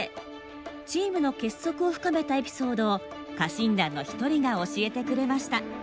チームの結束を深めたエピソードを家臣団の一人が教えてくれました。